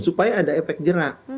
supaya ada efek jerak